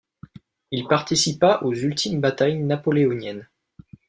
Il participa aux ultimes batailles napoléoniennes.